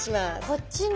こっちに。